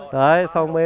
lấy hai con cá